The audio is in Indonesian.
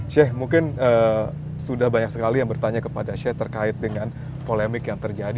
sheikh mungkin sudah banyak sekali yang bertanya kepada sheikh terkait dengan polemik yang terjadi